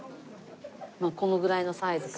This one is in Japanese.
まあこのぐらいのサイズか。